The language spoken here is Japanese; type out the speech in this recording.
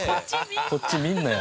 こっち見んなよ。